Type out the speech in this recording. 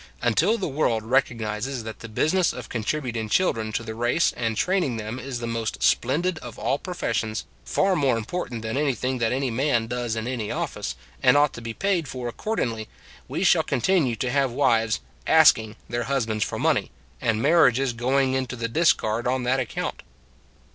Until the world recognizes that the busi ness of contributing children to the race and training them is the most splendid of all professions, far more important than anything that any man does in any office, and ought to be paid for accordingly, we shall continue to have wives " asking " their husbands for money, and marriages going into the discard on that account.